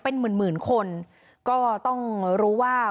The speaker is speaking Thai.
เป็นหมื่นหมื่นคนก็ต้องรู้ว่า